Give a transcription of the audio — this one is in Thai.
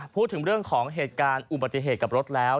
พูดถึงเรื่องของเหตุการณ์อุบัติเหตุกับรถแล้ว